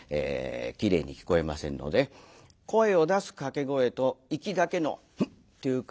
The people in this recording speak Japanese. きれいに聞こえませんので声を出す掛け声とイキだけの「ん！」っていう声。